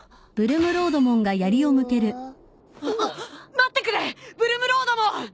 待ってくれブルムロードモン！